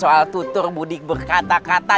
soal tutur mudik berkata kata